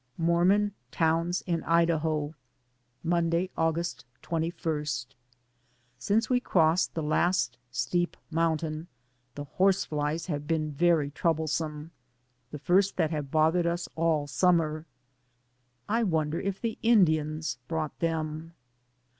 MORMON TOWNS IN IDAHO. Monday, August 21. Since we crossed the last steep mountain the horse flies have been very troublesome, the first that have bothered us all summer. I wonder if the Indians brought them